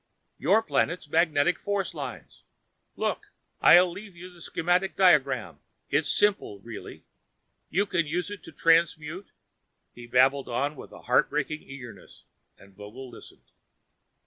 "Your planet's magnet force lines. Look, I'll leave you the schematic diagram. It's simple, really. You can use it to transmute " He babbled on with a heartbreaking eagerness, and Vogel listened.